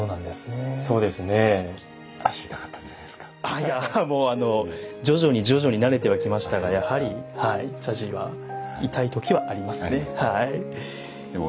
いやもう徐々に徐々に慣れてはきましたがやはり茶事は痛い時はありますねはい。